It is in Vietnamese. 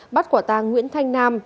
bắt quả tang nguyễn thanh nam